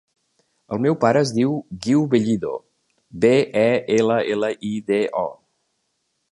El meu pare es diu Guiu Bellido: be, e, ela, ela, i, de, o.